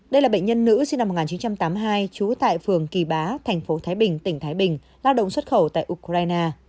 đây là bệnh nhân nữ sinh năm một nghìn chín trăm tám mươi hai trú tại phường kỳ bá thành phố thái bình tỉnh thái bình lao động xuất khẩu tại ukraine